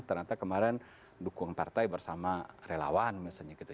ternyata kemarin dukung partai bersama relawan misalnya gitu